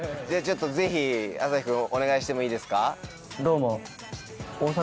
じゃあちょっとぜひＡＳＡＨＩ君お願いしてもいいですか？